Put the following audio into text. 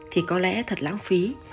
thì có lẽ thật lãng phí